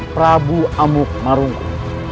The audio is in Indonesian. prabu amuk marungku